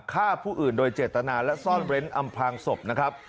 ฆ่าผู้อื่นโดยเจตนาและซ่อนเร้นอำพลางศพนะครับ